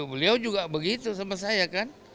beliau juga begitu sama saya kan